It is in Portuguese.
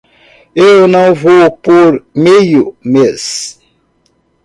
Eu não vou por meio mês.